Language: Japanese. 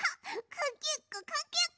かけっこかけっこ！